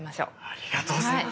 ありがとうございます。